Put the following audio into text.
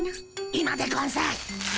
今でゴンス。